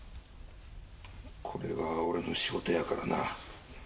これが俺の仕事やからな。